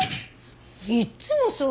いつもそう。